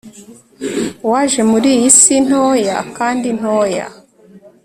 waje muri iyi si ntoya kandi ntoya,